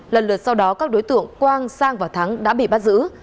lần lượt sau đó các đối tượng quang sang và thắng đã bị bắt giữ